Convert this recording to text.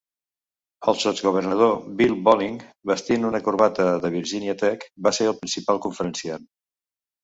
El Sotsgovernador Bill Bolling, vestint una corbata de Virginia Tech, va ser el principal conferenciant.